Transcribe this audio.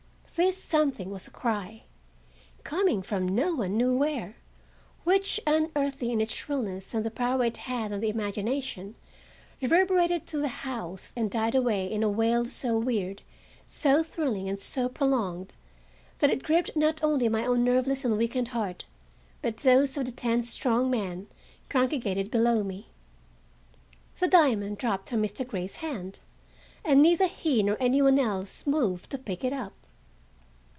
This something was a cry, coming from no one knew where, which, unearthly in its shrillness and the power it had on the imagination, reverberated through the house and died away in a wail so weird, so thrilling and so prolonged that it gripped not only my own nerveless and weakened heart, but those of the ten strong men congregated below me. The diamond dropped from Mr. Grey's hand, and neither he nor any one else moved to pick it up.